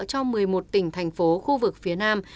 cho một mươi một tỉnh thành phố khu vực phía nam